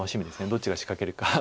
どっちが仕掛けるか。